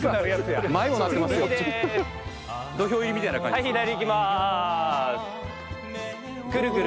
土俵入りみたいな感じですよ。